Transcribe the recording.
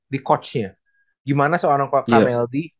di coach nya gimana seorang kmld